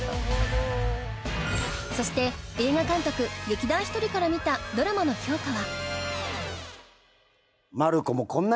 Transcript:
そして映画監督劇団ひとりから見たドラマの評価は？